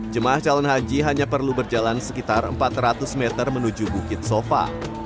jemaah calon haji hanya perlu berjalan sekitar empat ratus meter menuju bukit sofa